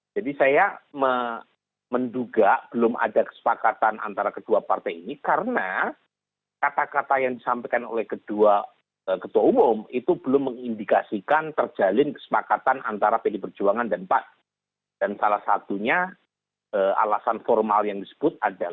jadi kedua partai ini tidak akan menjadi kemungkinan koalisi